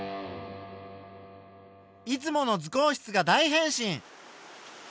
いつもの図工室が大変身！